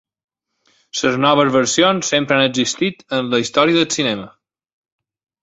Les noves versions sempre han existit en la història del cinema.